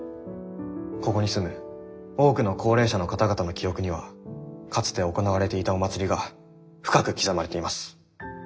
「ここに住む多くの高齢者の方々の記憶にはかつて行われていたお祭りが深く刻まれています。